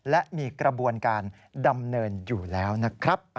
และมีกระบวนการดำเนินอยู่แล้วนะครับ